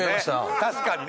確かにね。